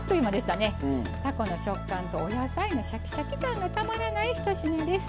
たこの食感とお野菜のシャキシャキ感がたまらない１品です。